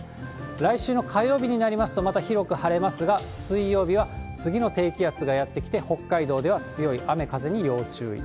来週の火曜日になりますと、また広く晴れますが、水曜日は次の低気圧がやって来て、北海道では強い雨、風に要注意。